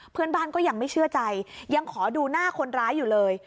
เพื่อนบ้านก็ยังไม่เชื่อใจยังขอดูหน้าคนร้ายอยู่เลย